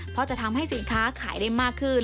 เพราะจะทำให้สินค้าขายได้มากขึ้น